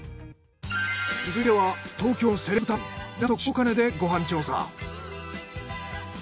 続いては東京のセレブタウン港区白金でご飯調査。